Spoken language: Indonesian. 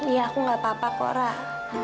iya aku gak apa apa korah